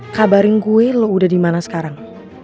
kabarin gue lo udah dimana sekarang